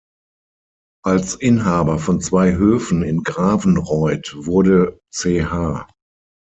Als Inhaber von zwei Höfen in Grafenreuth wurde Ch.